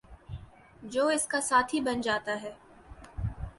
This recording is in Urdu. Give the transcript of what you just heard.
جو اس کا ساتھی بن جاتا ہے